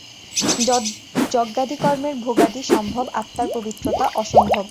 যজ্ঞাদি কর্মের ভোগাদি সম্ভব, আত্মার পবিত্রতা অসম্ভব।